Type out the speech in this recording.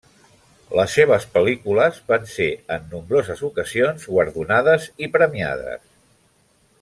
Les seves pel·lícules van ser en nombroses ocasions guardonades i premiades.